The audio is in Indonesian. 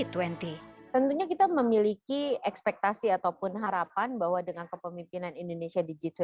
tentunya kita memiliki ekspektasi ataupun harapan bahwa dengan kepemimpinan indonesia di g dua puluh